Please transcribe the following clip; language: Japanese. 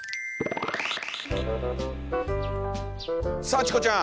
さあチコちゃん。